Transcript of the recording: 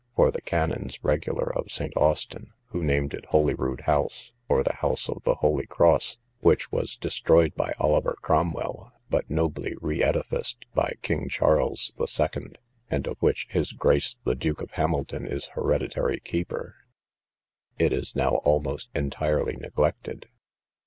for the canons regular of St. Austin, who named it Holyrood house, or the house of the Holy Cross, which was destroyed by Oliver Cromwell, but nobly re edificed by King Charles the second, and of which his grace the Duke of Hamilton is hereditary keeper; it is now almost entirely neglected.